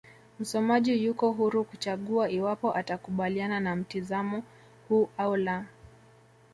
Msomaji yuko huru kuchagua iwapo atakubaliana na mtizamo huu au la